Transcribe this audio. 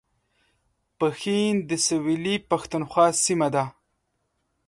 پښین د سویلي پښتونخوا سیمه ده